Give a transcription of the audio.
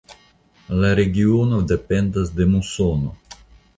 La regiono dependas de musono.